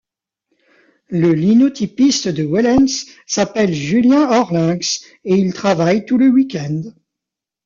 Le linotypiste de Wellens s'appelle Julien Oorlinckx et il travaille tout le week-end.